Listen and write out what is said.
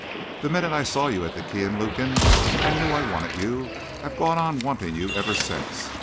The minute I saw you at the key in Lukin I knew I wanted you. I've gone on wanting you ever since.